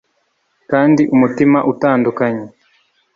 kandi umutima utandukanye